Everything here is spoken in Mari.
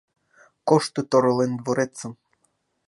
Коштыт оролен дворецым!